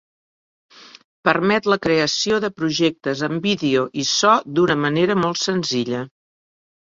Permet la creació de projectes amb vídeo i so d'una manera molt senzilla.